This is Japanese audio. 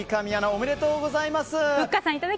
おめでとうございます！